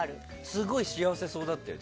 すごい幸せそうだったよ。